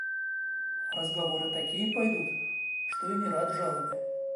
Разговоры такие пойдут, что и не рад жалобе!